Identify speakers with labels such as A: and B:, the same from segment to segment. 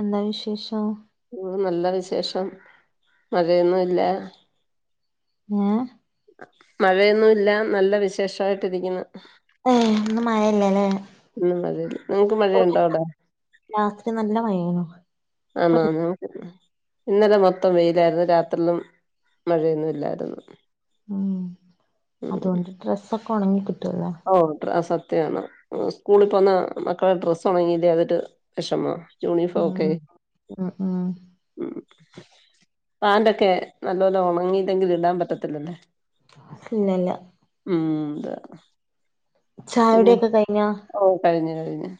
A: എന്താ വിശേഷം
B: ഉം നല്ല വിശേഷം മഴയൊന്നും ഇല്ലേ
A: ഏ
B: മഴയൊന്നും ഇല്ല നല്ല വിശേഷായിട്ടിരിക്കുന്നു
A: ഏ ഇന്ന് മഴല്ലല്ലേ
B: [unintelligible] നിങ്ങക്ക്
A: ഇവിടെ
B: മഴയുണ്ടോ അവിടെ
A: രാത്രി നല്ല മഴേനു ഇപ്പ
B: [unintelligible] ഇന്നലെ മൊത്തം വെയിലായിരുന്നു രാത്രിന്നും മഴയൊന്നും ഇല്ലാരുന്നു
A: ഉം അതുകൊണ്ട് ഡ്രസ്സൊക്കെ ഉണങ്ങി കിട്ടുലേ.
B: ഓ സത്യമാണ് സ്കൂളിപ്പോന്ന മക്കളെ ഡ്രസ്സ് ഉണങ്ങില്ല അതൊരു വിഷമ യൂണിഫോമോക്കെ
A: ഉം ഉം ഉം
B: [inaudible] ഉം പാൻ്റോക്കെ നല്ലോലേ ഉണങ്ങിയില്ലെങ്കി ഇടാൻ പറ്റത്തില്ലല്ല
A: ഇല്ലല്ല
B: ഉം
A: ചായുടി
B: പിന്നെ
A: ഒക്കെ കഴിഞ്ഞ
B: ഓ കഴിഞ്ഞു കഴിഞ്ഞു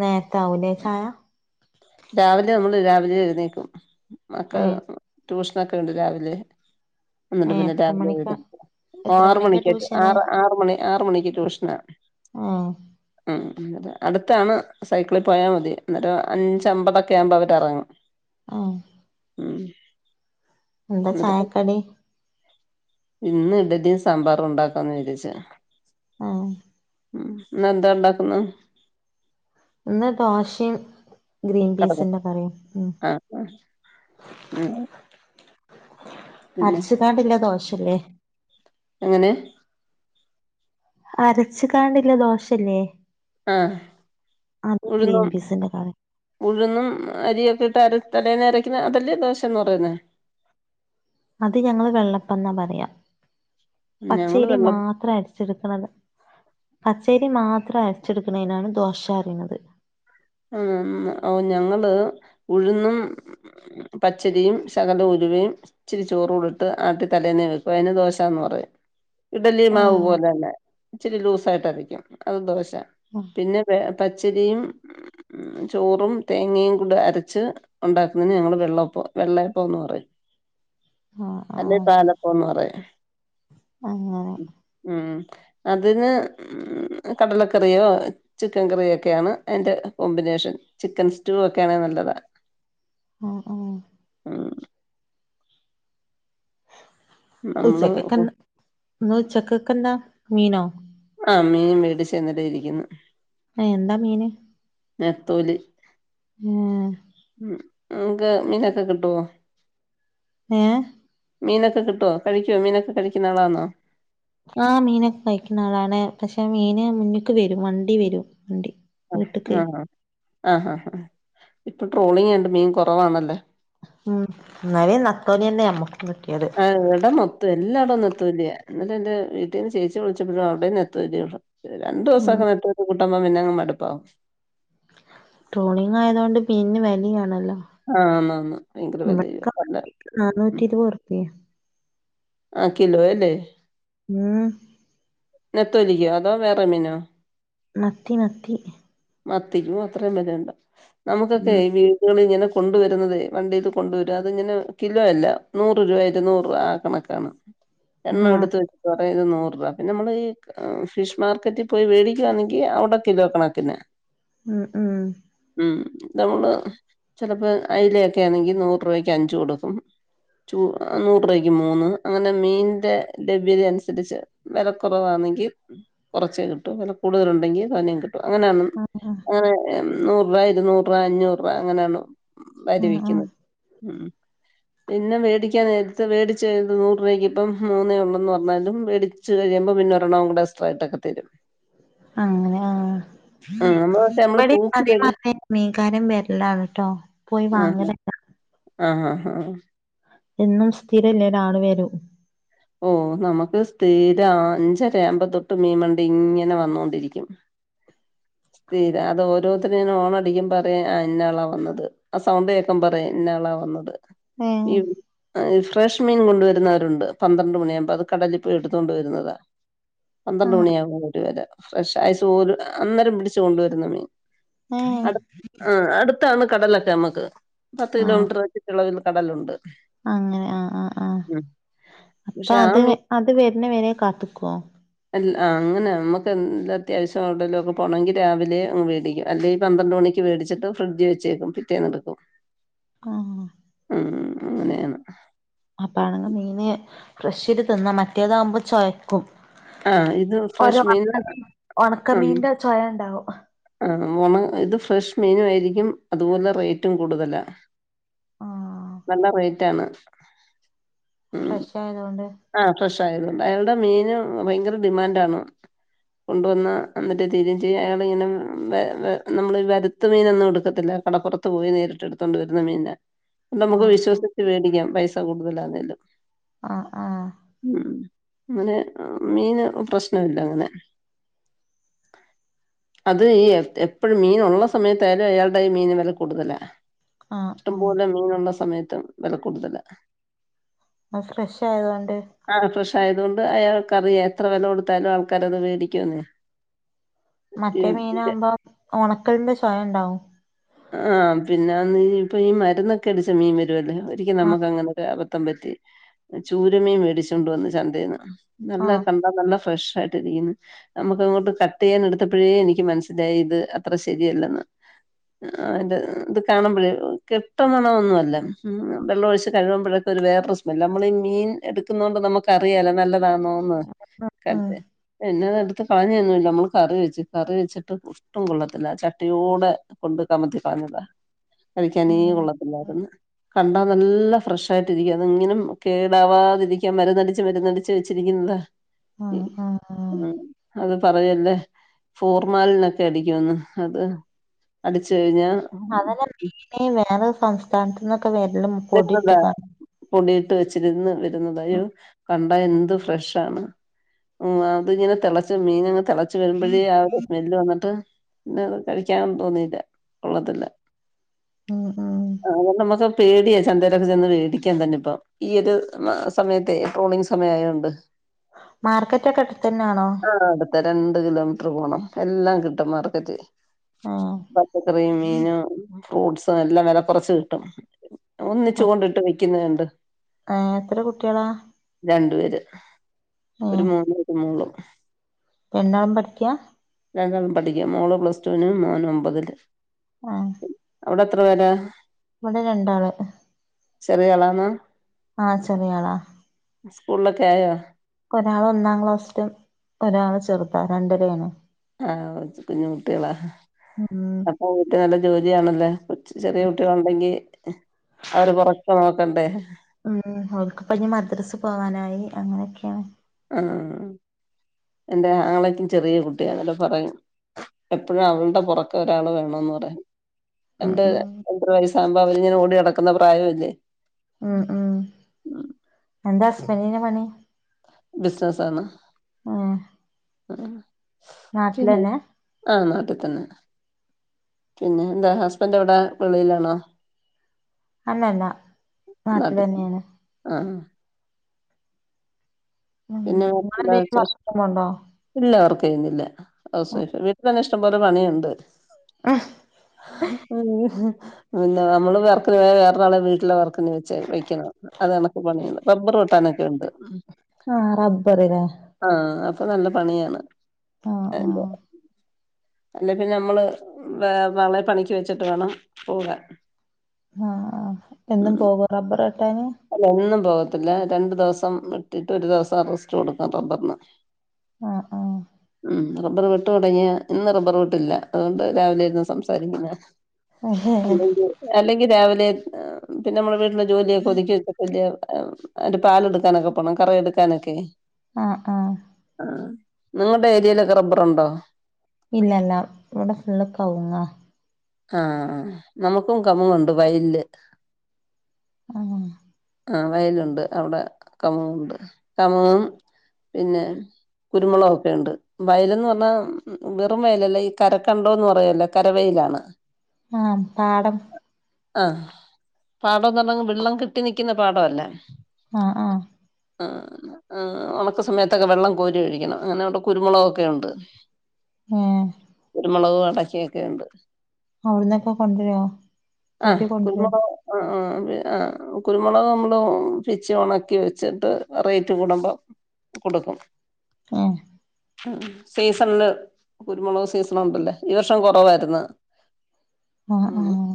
A: നേരത്തെ ആവുലെ ചായ
B: രാവിലെ നമ്മള് രാവിലെ എഴുന്നേക്കും മക്കെ
A: ഏ
B: ട്യൂഷനൊക്കെ ഉണ്ട് രാവിലെ ന്നിട്ട്
A: ഏ
B: പിന്നെ
A: എത്ര
B: രാവിലെ
A: മണിക്കാ
B: [unintelligible] ഓ
A: എത്ര
B: ആറ്
A: മണിക്കാ
B: മണിക്കൊക്കെ
A: ട്യൂഷന്
B: ആറ് ആറ് മണി ആറ് മണിക്ക് ട്യൂഷനാ
A: ഉം
B: ഉം [unintelligible] അടുത്താണ് സൈക്കിളിൽ പോയാൽ മതി അന്നേരം [unintelligible] [unintelligible] അവർ ഇറങ്ങും
A: ഉം
B: ഉം
A: എന്താ
B: എന്നിട്ട്
A: ചായക്കടി
B: ഇന്ന് ഇഡലിയും സാമ്പാറും ഉണ്ടാക്കാന്ന് വിചരിചെ
A: ആഹ്
B: ഉം ഇന്ന് എന്താ ഉണ്ടാക്കുന്ന്
A: ഇന്ന് ദോഷെം ഗ്രീൻ
B: കടല
A: പീസിന്റെ കറി ഉം
B: ആഹ് ആഹ് ഉം പിന്നെ
A: അരച്ച കാണ്ടില്ല ദോഷല്ലേ
B: എങ്ങനെ
A: അരച്ച് കാണ്ടില്ല ദോശല്ലേ
B: ആഹ്
A: അത് ഗ്രീൻ പീസിന്റെ കറിയും
B: ഉഴന്നും അരിയൊക്കെ ഇട്ട് അര തലേന്ന അരക്കുന്ന അതല്ലേ ദോശയന്ന് പറയുന്നെ
A: അത് ഞങ്ങള് വെള്ളപ്പം എന്നാ പറയാം
B: ഞങ്ങള്
A: പച്ചരി
B: വെള്ള
A: മാത്ര അ ചിരിക്ക്ണത് പച്ചേരി മാത്രം അരച്ചെടുക്കണതിനാണ് ദോശ എന്നറിയുന്നത്
B: ഉം ഉം ഓ ഞങ്ങള് ഉഴുന്നും പച്ചരിയും ശകല ഉലുവയും ഇച്ചിരി ചോറൂടി ഇട്ട് ആട്ടി തലേന്നീ വെക്കും അതിന് ദോശ എന്ന് പറയും ഇഡലി മാവ്
A: ആഹ്
B: പോലന്നെ ഇച്ചിരി ലൂസായിട്ടായിരിക്കും അത് ദോശ
A: ഉം
B: പിന്നെ പ പച്ചരിയും ചോറും തേങ്ങയും കൂടി അരച്ച് ഉണ്ടാക്കുന്നതിന് ഞങ്ങള് വെള്ളപ്പ വെള്ളയപ്പോന്ന് പറയും
A: ആഹ്
B: അല്ലേ
A: ആഹ്
B: പാലപ്പന്ന് പറയാ
A: അങ്ങനെ
B: ഉം അതിന് കടലക്കറിയോ ചിക്കൻ കറിയോ ഒക്കെയാണ് അയിന്റെ കോമ്പിനേഷൻ ചിക്കൻ സ്റ്റൂ ഒക്കെയാണേ നല്ലതാ
A: ആഹ് ആഹ്
B: ഉം നമ്മള്
A: ഉച്ചക്കെക്കന്ന് ഇന്ന് ഉച്ചക്കെക് എന്താ മീനോ
B: ആ മീൻ മേടിച്ചെന്നിട്ട് ഇരിക്കുന്നു
A: എ എന്താ മീന്
B: നെത്തോലി
A: ഏഹ്
B: ഉം നിക്ക് മീനൊക്കെ കിട്ടുവോ
A: ഏ
B: മീനൊക്കെ കിട്ടോ കഴിക്കോ മീനൊക്കെ കഴിക്കുന്ന ആളാന്നോ
A: ആഹ് മീനൊക്കെ കഴിക്കുന്ന ആളാണ് പക്ഷെ മീന് മുന്നക്ക് വരും വണ്ടി വരും വണ്ടി വീട്ട്ക്ക്
B: ആ ആ ആ ആ ആ ഹാ ഹാ ഇപ്പൊ ട്രോളിങ്ങ് ആയോണ്ട് മീൻ കൊറവാണല്ലോ
A: ഉം എന്നാലെ നത്തോലിയെന്നെ ഞമുക്ക് കിട്ടിയത്
B: ആ ഇവിടം മൊത്തം എല്ലാടോം നെത്തോലിയാ ഇന്നലെ എന്റെ വീട്ടീന്ന് ചേച്ചി വിളിച്ചപ്പഴും അവിടേം നെത്തോലിഒള്ളൂ രണ്ട്
A: ഉം
B: ദിവസൊക്കെ നട്ട് വിട്ട് കൂട്ടമ്പം പിന്നെ അങ്ങു മടുപ്പാവും
A: ട്രോളിങ്ങ് ആയതോണ്ട് പിന്നെ വലിയാണല്ലോ
B: ആന്ന ന്ന് ഭയങ്കര വല്തേ
A: നാനൂറ്റി ഇരുപത് റുപ്പിയേ
B: ആ കിലോ അല്ലേ
A: ഉം
B: നെത്തോലിക്കോ അതോ വേറെ മീനോ
A: മത്തി മത്തി
B: മത്തിക്കും അത്രയും വെലെണ്ട നമുക്കൊക്കെ
A: ഉം
B: വീടുകളിങ്ങനെ കൊണ്ടുവരുന്നതേ വണ്ടീത്ത് കൊണ്ടുവരും അതിങ്ങനെ കിലോ അല്ല നൂറ് രൂപ ഇരുനൂറ് ആ കണക്കാണ് എണ്ണം
A: ആഹ്
B: എടുത്ത് വെച്ചിട്ട് പറയാ ഇത് നൂറ് രാ പിന്നെ നമ്മള് ഈ ഫിഷ് മാർക്കറ്റിൽ പോയി മേടിക്കുവാന്നെങ്കി അവിടെ കിലോകണക്കിന്നെ
A: ഉം ഉം
B: ഉം നമ്മള് ചിലപ്പോ അയലെക്കെ ആണെങ്കി നൂറു രൂപയ്ക്ക് അഞ്ചു കൊടുക്കും ചൂ ആ നൂറ്രൂയ്ക്ക് മൂന്ന് അങ്ങനെ മീന്റെ ലഭ്യത അനുസരിച്ച് വെല കുറവാന്നെങ്കിൽ കുറച്ചേ കിട്ടും വില കൂടുതലുണ്ടെങ്കിൽ തോനേം കിട്ടും അങ്ങനാന്നും ആനേ നൂറ്രാ ഇരുനൂറ്‌രാ അഞ്ഞൂറ്രാ അങ്ങനെയാണോ
A: ആഹ് ആഹ്
B: വരിവിക്കുന്നത് ഉം പിന്നെ മേടിക്കാൻ നേരത്ത് വേടിച്ചത് നൂർ രൂപക്ക് ഇപ്പം മൂന്നേ ഒള്ളുന്ന് പറഞ്ഞാലും മേടി ചു കഴിയുമ്പോ പിന്നെ ഒരണ്ണം കൂടെ എസ്ട്രായിട്ടൊക്കെ തരും
A: അങ്ങനെ ആഹ്
B: ഉം നമ്മള് പക്ഷെ നമ്മള്
A: ഇവിടെ
B: തൂക്കി വെ
A: [unintelligible] മീൻകാരൻ വര്ലാണ് ട്ടോ പോയി വാങ്ങൽ അല്ലാ
B: ആഹ് ആഹ് ആഹ്
A: എന്നും സ്ഥിരല്ലേ ഒരാള് വരും
B: ഓഹ് നമുക്ക് സ്ഥീരം അഞ്ചര ആമ്പം തൊട്ട് മീൻ വണ്ടി ഇങ്ങനെ വന്നോണ്ടിരിക്കും തീരാ അത് ഓരോര്ത്തര്ങ്ങനെ ഹോണടിക്കും പറയാ ആഹ് ഇന്നാളാ വന്നത് ആ സൗണ്ട് പ്പം പറയാം ഇന്നാളാ വന്നത്
A: ഏഹ്
B: ഈ ആ ഈ ഫ്രഷ് മീൻ കൊണ്ടുവരുന്നവരുണ്ട് പന്ത്രണ്ട് മണിയാവുമ്പോ അത് കടലിപോയി എടുത്തു കൊണ്ട് വരുന്നതാ പന്ത്രണ്ട്
A: ആഹ്
B: മണിയാവുമ്പോ ഒരു ഫ്രഷ് ഐസുപോലും ഇടാ അന്നേരം പിടിച്ചു കൊണ്ടുവരുന്ന മീൻ
A: ഏഹ്
B: അടു ആഹ് അടുത്താണ് കടലൊറ്റ ഞമ്മക്ക് പത്ത്
A: ആഹ്
B: കിലോമീറ്ററ് ചുറ്റളവില് കടലുണ്ട്
A: അങ്ങനെ ആഹ് ആഹ് ആഹ്
B: ഉം
A: അപ്പൊ
B: പക്ഷെ ആ
A: അത്
B: മീൻ
A: അത് വരുന്ന വെരെ കാത്തുക്കോ
B: അല്ല അങ്ങനെ നമുക്ക് എന്ത് അത്യാവശ്യം ഒടലൊക്ക പോണങ്കിൽ രാവിലെ അങ്ങ് മേടിക്കും അല്ലേ പന്ത്രണ്ട് മണിക്ക് മേടിച്ചിട്ട് ഫ്രിഡ്ജി വെച്ചേക്കും പിറ്റേന്നെടുക്കും
A: ആഹ്
B: ഉം അങ്ങനെയാന്ന്
A: അപ്പാണെങ്കിൽ മീന് ഫ്രഷ്ൽ തിന്നാ മറ്റേതാവകുമ്പോ ചൊ ക്കും
B: ആഹ് ഇത് ഫ്രഷ് മീൻ
A: ഒരുണക്കമീ ഉണക്കമീന്റെ ചൊയ ണ്ടാവും
B: ആണം ഇത് ഫ്രഷ് മീനു ആയിരിക്കും അതുപോലെ റേയ്റ്റും കൂടുതലാ
A: ആഹ്
B: നല്ല റേയ്റ്റ് ആണ്
A: ഫ്രഷായതുകൊണ്ട്
B: ആഹ് ഫ്രഷായത് കൊണ്ട് അയാളുടെ മീൻ ഭയങ്കര ഡിമാൻണ്ടാണ് കൊണ്ടുവന്ന് എന്നിട്ട് തീരി ചെയ്യും അയാള് ങ്ങനെ നമ്മൾ വര- ത്ത് മീനൊന്നും എടുക്കത്തില്ല കടപ്പുറത്ത് പോയി നേരിട്ട് എടുത്തോണ്ട് വരുന്ന മീന നമുക്ക്
A: ആഹ്
B: വിശ്വസിച്ച് മേടിക്കാം പൈസ കൂടുതലാണേലും
A: ആഹ് ആഹ്
B: ഉം അങ്ങനെ മീന് പ്രശ്നല്ല അങ്ങനെ [inaudible] അത് ഈ എപ്പോഴും മീനുള്ള സമയത്തായാലും അയാളുടെ ഈ മീൻ വില കൂടുതലാ
A: ആഹ്
B: ഇഷ്ടം
A: ആഹ്
B: പോലെ മീനുള്ള സമയത്തും വില കൂടുതലാ
A: ആഹ് ഫ്രഷ് ആയതോണ്ട്
B: ആഹ് ഫ്രഷായത് കൊണ്ട് അയാൾക്കറിയ എത്ര വില കൊടുത്താലും ആൾക്കാരത് മേടിക്കും ന്ന്
A: മറ്റേ മീനാവുമ്പോം ഉണക്കലിന്റെ ചൊയ ഉണ്ടാവും
B: ആഹ് പിന്നെ ഇപ്പൊ ഈ മരുന്നൊക്കെ അടിച്ച മീൻ വരുല്ലേ ഒരിക്ക
A: ആഹ്
B: നമുക്ക് അങ്ങനൊരു അബദ്ധം പറ്റി ചൂര മീൻ മേടിചോണ്ട് വന്ന് ചന്തയിന്ന് നല്ല
A: ആഹ്
B: കണ്ട നല്ല ഫ്രഷ് ആയി നമുക്കങ്ങോട്ട് കട്ട്യ്യാൻ എടുത്തപ്പോഴേ എനിക്ക് മനസ്സിലായി ഇത് അത്ര ശരിയല്ലെന്ന് ആഹ് ഇത് കാണുമ്പോഴേ കെട്ട മണൊന്നുല്ല ഉം വെള്ള ഒഴിച്ച് കഴുമ്പോഴൊക്കെ ഒരു വേറെ സ്മെ- നമ്മളീ ഈ മീൻ എടുക്കുന്നോണ്ട് നമുക്കറിയാലോ നല്ലതാണോന്ന് ക-
A: ഉം
B: എന്നതെട്ത് എടുത്ത് കളഞ്ഞു തന്നൂ നമ്മള് കറി വെച്ചു കറി വെച്ചിട്ട് ഒട്ടും കൊള്ളത്തില്ല ചട്ടിയോടെ കൊണ്ട് [unintelligible] കഴിക്കാനേ
A: ഉം
B: കൊള്ളത്തില്ല [unintelligible] കണ്ടാ നല്ല ഫ്രഷ് ആയിട്ടിരിക്കും അത് ങ്ങനെ കേടാവാതിരിക്കാൻ മരുന്നടിച്ച് മരുന്നടിച്ച് വെച്ചിരിക്കുന്ന താ
A: ഉം ഉം
B: ഉം അത് പറയല്ലേ ഫോർമാലിനൊക്കെ അടിക്കന്ന് അത് അടിച് കഴിഞ്ഞ
A: അതെല്ലെ മെയിന് വേറെ സംസ്ഥാനത്ത്ന്നൊക്കെ വരലും പൊടി
B: [unintelligible]
A: ഇട്ട്ക്കാണ്ട്
B: പൊടിയിട്ട് വെച്ചിരുന്ന് വരുന്നതായും ക അത് എന്ത്‌ ഫ്രഷാണ് അത്ങ്ങനെ തെളച്ച മീന്ങ്ങനെ തെള ളച്ച് വരുമ്പോഴ ആഹ് ഒരു സ്മെല്ല് വന്ന്ട്ട് പിന്നെ കഴിക്കാൻ തോന്നില്ല കൊള്ളത്തില്ല.
A: ഉം ഉം
B: അഹ് നമ്മക്ക് പേടിയ. ചന്തരക്കെ ചെന്ന് മേടിക്കാൻ തന്നെ ഇപ്പം ഈയെരു സമയത്ത് ട്രോളിങ് സമയായോണ്ട്.
A: മാർക്കറ്റൊക്കെ അടുത്ത്ന്നാണോ?
B: ആഹ് അട്ത്ത രണ്ട് കിലോമീറ്ററ് പോണം എല്ലാം കിട്ടും മാർക്കറ്റി
A: ഏഹ്
B: പച്ചക്കറി മീനും ഫ്രൂട്ട്സ് എല്ലാം വില കുറച്ച് കിട്ടും. ഒന്നിച്ചു കൊണ്ടിട്ട് വിക്കുന്നത്ണ്ട്.
A: ആഹ് എത്ര കുട്ടിയളാ?
B: രണ്ടു പേര് ഒരു
A: ഏഹ്
B: മോനും ഒരു മോളും.
A: രണ്ടാളും പഠിക്ക?
B: രണ്ടാളും പഠിക്കാ മോള് പ്ലസ്ടൂന് മോന് ഒമ്പതില്.
A: ആഹ്.
B: അവ്ടെത്ര പേരാ?
A: ഇവടെ രണ്ടാള്.
B: ചെറിയളാണോ?
A: ആഹ് ചെറിയാളാ.
B: സ്കൂള്ലെക്കെ ആയോ?
A: ഒരാള് ഒന്നാം ക്ലാസ്സിലും ഒരാള് ചെറ്താ രണ്ടരയാണ്.
B: ആഹ് കൊച്ച് കുഞ്ഞ് കുട്ടികളാ.
A: ഉം
B: ഓ വീട്ട് നല്ല ജോലിയാണല്ലേ കുറ്ച്ച് ചെറിയ കുട്ടികളുണ്ടെങ്കി അവര് പൊറക്കേ നോക്കണ്ടേ?
A: മ് ഓൽക്ക്പഞ്ഞ് മദ്രസ് പോവാനായി അങ്ങനോക്കെയാണ്.
B: അം എന്റെ ആങ്ങളക്കും ചെറിയ കുട്ടിയാണ് അപ്പൊ പറയും. എപ്പഴും അവള്ടെ പൊറക്ക് ഒരാള് വേണന്ന് പറയും.
A: ഉം
B: രണ്ട്
A: ഉം
B: രണ്ടര വയസാകുമ്പോ അവരിങ്ങനെ ഓടി നടക്ക്ണന്ന പ്രായംല്ലേ.
A: ഉം ഉം എന്താ ഹസ്ബന്റ്ന് പണി?
B: ബിസ്നസ്സാണ്. ആഹ്.
A: നാട്ട്ലെന്നെ?
B: ആഹ് നാട്ടിൽ തന്നെ പിന്നെ എന്താ ഹസ്ബന്റ് എവിടെ വെളിയിലാണോ?
A: അല്ലല്ല നാട്ടിലെന്നെയാണ്.
B: ആഹ്.
A: മ്
B: പിന്നെ വേറെന്താ
A: നിങ്ങളെന്തെങ്കിലും
B: വിശേഷം
A: വർക്ക് ചെയ്യ്ണ്ടോ?
B: ഇല്ല വർക്ക്ചെയ്യുന്നില്ല ഹൗസ് വൈഫാ വീട്ടിൽ തന്നെ ഇഷ്ടംപോലെ പണിയുണ്ട്. ഹ് [unintelligible] പിന്നെ നമ്മള് വർക്ക്ന് പോയ വേറേ ഒരാളെ വീട്ടിലെ വർക്ക്ന് വെച്ച് വെക്കണം. അതെണക്ക് പണിയുണ്ട് റബ്ബർ വെട്ടാനൊക്കെയുണ്ട്.
A: ആഹ് റബ്ബർ ലേ.
B: ആഹ് അപ്പോ നല്ല പണിയാണ്
A: ആഹ്
B: അ
A: ആഹ്
B: അല്ലേ പിന്നെ നമ്മള് വെറെരാളെ പണിക്ക് വെച്ചിട്ട് വേണം പോകാൻ.
A: ആഹ് ആഹ് എന്നും
B: ഉം
A: പോകോ റബർ വെട്ടാൻ.
B: അല്ല എന്നും പോകത്തില്ല രണ്ട് ദെവസം വെട്ടിട്ട് ഒരു ദെവസം റെസ്റ്റ് കൊടുക്കും റബ്ബറിന്.
A: ആഹ് ആഹ്.
B: മ് റബ്ബർ വെട്ട് തെടങ്ങിയാ ഇന്ന് റബ്ബർ വെട്ടില്ല അതുകൊണ്ട് രാവിലെയിരുന്നു സംസാരിക്കുന്നേ.
A: ആഹ്
B: അല്ലെങ്കി അല്ലെങ്കിൽ രാവിലെ പിന്നെ നമ്മുടെ വീട്ടിലെ ജോലിയൊക്കെ ഒതുക്കി വെ വല്യ അയ്ന്റെ പാൽ എടുക്കാനൊക്കെ പോണം കറ എടുക്കാനൊക്കെ.
A: ആഹ് ആഹ്.
B: ആഹ് നിങ്ങടെ ഏരിയേലൊക്കെ റബ്ബറുണ്ടോ?
A: ഇല്ലല്ല ഇവിടെ ഫുൾ കവുങ്ങാ.
B: ആഹ് നമുക്കും കമുങ്ങുണ്ട് വയലില്
A: ഉം
B: ആഹ് വയലുണ്ട് അവിടെ കമുങ്ങു ണ്ട് കമുങ്ങും പിന്നെ കുരുമുളകൊക്കെണ്ട് വയലന്ന് പറഞ്ഞാ വെറും വയലല്ലേ ഈ കരക്കണ്ടോന്ന് പറയല്ലോ കരവയലാണ്
A: ആഹ് പാടം
B: ആഹ് പാടംന്ന് പറഞ്ഞാ വെള്ളം കെട്ടി നിക്കുന്ന പാടല്ല
A: ആഹ് ആഹ്
B: ഒണക്ക സമയത്തൊക്കെ വെള്ളം കോരി ഒഴിക്കണം അങ്ങനെ അവിടെ കുരുമുളകൊക്കെ ഉണ്ട്
A: ഏഹ്
B: കുരുമുളക് അടക്കയൊക്കെണ്ട്
A: അവിടന്നൊക്കെ കൊണ്ടുവരോ
B: ആഹ്
A: പേർക്കി കൊണ്ടു വരോ
B: കുരുമുളക് ആഹ് ആഹ് അതെ ആഹ് കുരുമുളക് നമ്മള് പിച്ചി ഒണക്കി വെച്ചിട്ട് റെയിറ്റ് കൂടുമ്പം കൊടുക്കും
A: ഉം
B: മ് സീസൺല് കുരുമുളക് സീസൺ ഉണ്ടല്ലോ ഈ വർഷം കൊറവായിർന്ന്
A: ആഹ് ആഹ്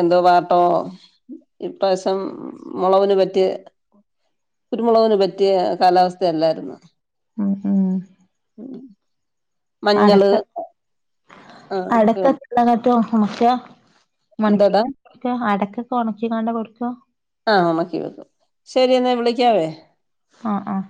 B: എന്തോ പാട്ടോ ഇപ്രാശം മുളവിന് പറ്റിയ കുരുമുളകിന് പറ്റിയ കാലാവസ്ഥയല്ലാരുന്നു
A: ഉം ഉം
B: ഉം
A: അടക്ക
B: ആഹ്
A: അടക്ക
B: ഒക്കെയുണ്ട്
A: ന്നിറ്റും ഒണക്കിയ
B: എന്താടാ
A: മണിക്ക് അടക്കൊക്കെ ഉണക്കിക്കൊണ്ടാ കൊടുക്കുവ
B: ആ ഉണക്കി വെക്കും ശരി എന്നാ വിളിക്കാവേ
A: ആഹ് ആഹ്